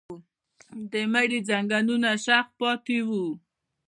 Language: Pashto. د مړي ځنګنونه شخ پاتې وو.